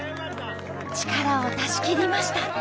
力を出しきりました。